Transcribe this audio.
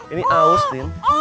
ini aus tim